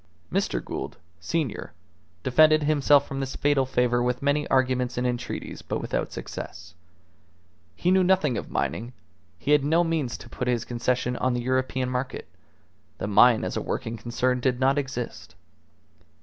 Mr. Gould, senior, defended himself from this fatal favour with many arguments and entreaties, but without success. He knew nothing of mining; he had no means to put his concession on the European market; the mine as a working concern did not exist.